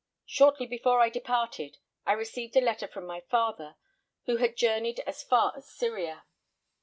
Shortly before I departed, I received a letter from my father, who had journeyed as far as Syria.